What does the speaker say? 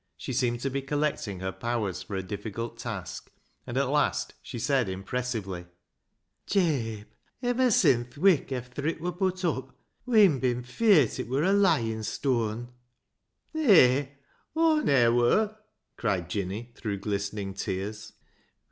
She seemed to be collecting her powers for a ■difficult task, and at last she said impressively —" Jabe, iver sin th' wik efther it wur put up we'en bin feart it wur a lyin' stooan." "Naay, y^zc ne'er wur," cried Jinny, through glistening tears.